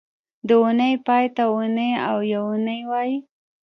د اونۍ پای ته اونۍ او یونۍ وایي